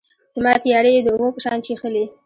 زما تیارې یې د اوبو په شان چیښلي